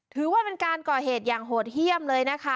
ถือว่าเป็นการก่อเหตุอย่างโหดเยี่ยมเลยนะคะ